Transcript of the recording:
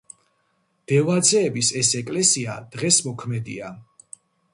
დევაძეების ეს ეკლესია დღეს მოქმედია.